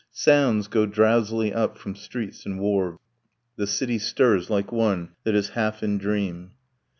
Sounds go drowsily up from streets and wharves. The city stirs like one that is half in dream.